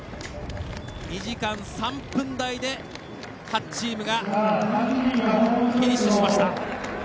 ２時間３分台で８チームがフィニッシュしました。